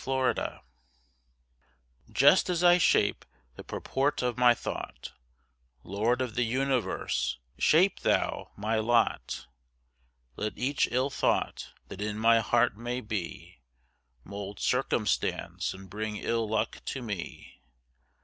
A PRAYER Just as I shape the purport of my thought, Lord of the Universe, shape Thou my lot. Let each ill thought that in my heart may be, Mould circumstance and bring ill luck to me.